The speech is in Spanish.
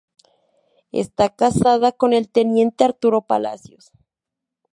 Está casada con el teniente Arturo Palacios.